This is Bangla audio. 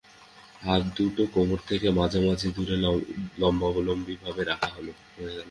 হাতদুটোও কোমর থেকে মাঝামাঝি দূরে লম্বালম্বিভাবে রাখা হল।